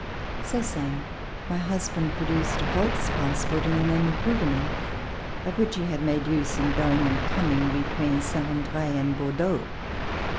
So saying, my husband produced a false passport in the name of Gouvernet, of which he had made use in going and coming between Saint Andre and Bordeaux.